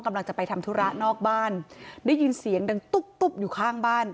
กำลังจะไปทำธุระนอกบ้านได้ยินเสียงดังตุ๊บตุ๊บอยู่ข้างบ้าน